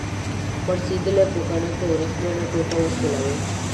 پړسیدلې پوکڼۍ په وریښمینه ټوټه وسولوئ.